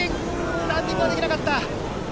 ランディングはできなかった。